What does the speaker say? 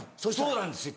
そうなんですよ